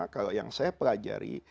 kalau yang saya pelajari